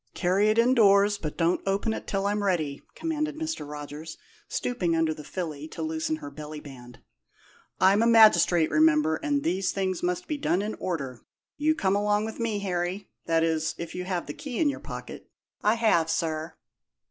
"Carry it indoors, but don't open it till I'm ready," commanded Mr. Rogers, stooping under the filly to loosen her belly band. "I'm a magistrate, remember, and these things must be done in order. You come along with me, Harry; that is, if you have the key in your pocket." "I have, sir."